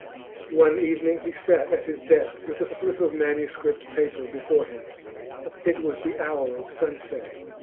One evening he sat at his desk with a slip of manuscript paper before him. It was the hour of sunset.